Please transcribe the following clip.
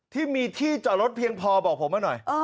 ที่มีที่จอดรถเพียงพอบอกผมมาหน่อย